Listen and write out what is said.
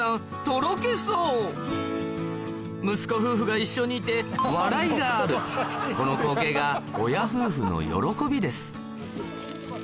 とろけそう息子夫婦が一緒にいて笑いがあるこの光景が親夫婦の喜びです